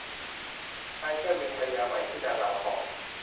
พลายแก้วมีภรรยาใหม่ชื่อนางลาวทอง